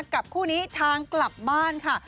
กับคู่นี้ทางกลับบ้านค่ะ